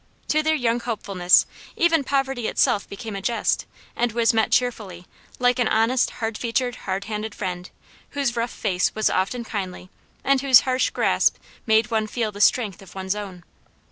To their young hopefulness even poverty itself became a jest; and was met cheerfully, like an honest, hard featured, hard handed friend, whose rough face was often kindly, and whose harsh grasp made one feel the strength of one's own.